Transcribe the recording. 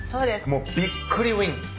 もうびっくりウィン。